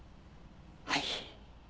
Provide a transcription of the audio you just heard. はい。